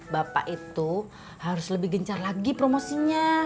bapak itu harus lebih gencar lagi promosinya